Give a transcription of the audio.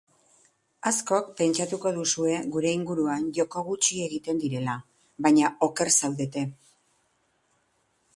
Askok pentsatuko duzue gure inguruan joko gutxi egiten direla, baina oker zaudete.